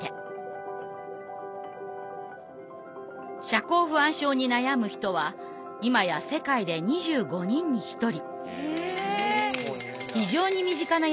社交不安症に悩む人は今や世界で２５人に１人。